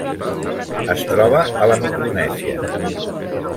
Es troba a la Micronèsia.